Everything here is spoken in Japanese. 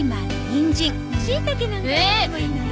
しいたけなんか入れてもいいのよ。